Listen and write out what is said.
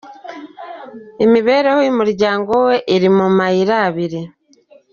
Imibereho y’umuryango we iri mu mayira abiri.